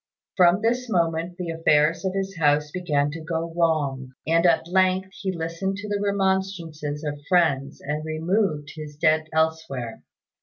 From this moment the affairs of his house began to go wrong; and at length he listened to the remonstrances of friends and removed his dead elsewhere.